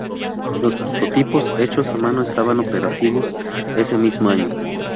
Los prototipos hechos a mano estaban operativos ese mismo año.